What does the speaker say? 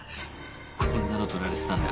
こんなの撮られてたんだ。